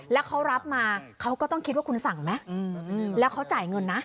แล้วเขารับมาเขาก็ต้องคิดว่าคุณสั่งไหมแล้วเขาจ่ายเงินนะ